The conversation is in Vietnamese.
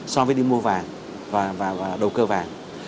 so với đi mua vàng và đầu cơ vàng